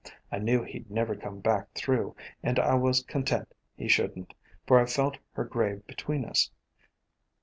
I knew he 'd never come back though, and I was content he should n't, for I felt her grave between us.